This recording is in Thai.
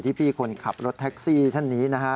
พี่คนขับรถแท็กซี่ท่านนี้นะฮะ